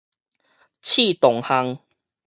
莿桐巷